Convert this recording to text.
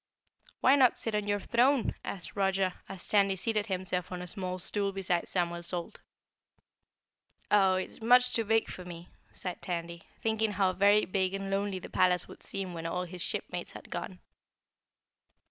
"Why not sit on your throne?" asked Roger as Tandy seated himself on a small stool beside Samuel Salt. "Oh, it's much too big for me," sighed Tandy, thinking how very big and lonely the palace would seem when all his shipmates had gone.